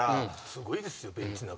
すごいですよベンチの中。